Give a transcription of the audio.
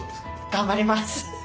頑張ります！